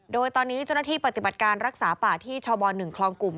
โดยตอนนี้เจ้าหน้าที่ปฏิบัติการรักษาป่าที่ชบ๑คลองกลุ่ม